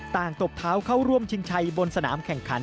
ตบเท้าเข้าร่วมชิงชัยบนสนามแข่งขัน